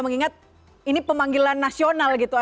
mengingat ini pemanggilan nasional gitu